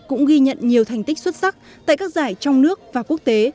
cũng ghi nhận nhiều thành tích xuất sắc tại các giải trong nước và quốc tế